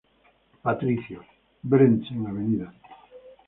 Patricios, Brandsen, Av.